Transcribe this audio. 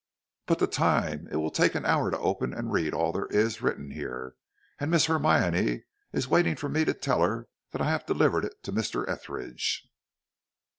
"But the time? It will take an hour to open and read all there is written here, and Miss Hermione is waiting for me to tell her that I have delivered it to Mr. Etheridge."